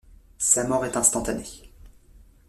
Sa mort est instantanée.